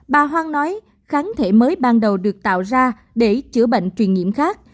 bà hoang nói kháng thể mới ban đầu được tạo ra để chữa bệnh truyền nhiễm khác